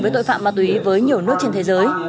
với tội phạm ma túy với nhiều nước trên thế giới